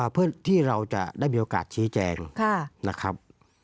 เพื่อที่เราจะได้มีโอกาสชี้แจงนะครับ